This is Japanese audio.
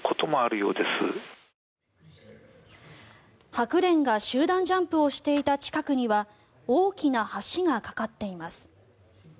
ハクレンが集団ジャンプをしていた近くには大きな橋が架かっています。